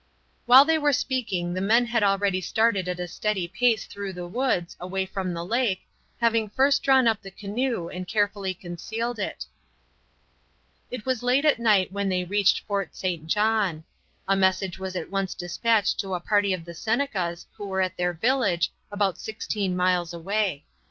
While they were speaking the men had already started at a steady pace through the woods, away from the lake, having first drawn up the canoe and carefully concealed it. It was late at night when they reached Fort St. John. A message was at once dispatched to a party of the Senecas who were at their village, about sixteen miles away.